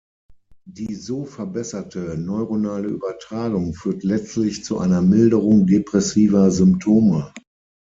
Die so verbesserte neuronale Übertragung führt letztlich zu einer Milderung depressiver Symptome.